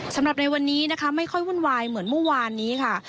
สำหรับในวันนี้นะคะไม่ค่อยวุ่นวายเหมือนเมื่อวานนี้ค่ะ